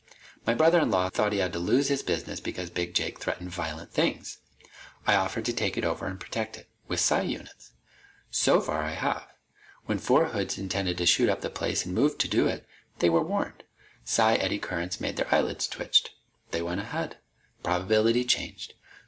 My brother in law thought he had to lose his business because Big Jake threatened violent things. I offered to take it over and protect it with psi units. So far, I have. When four hoods intended to shoot up the place and moved to do it, they were warned. Psi 'eddy currents' made their eyelids twitch. They went ahead. Probability changed.